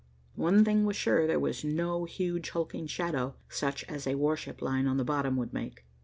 One thing was sure. There was no huge hulking shadow, such as a warship lying on the bottom would make.